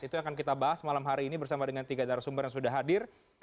itu yang akan kita bahas malam hari ini bersama dengan tiga narasumber yang sudah hadir